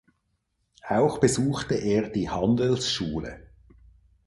Auch besuchte er die Handelsschule.